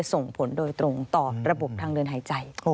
ส่งผลโดยตรงต่อระบบทางเดินหายใจ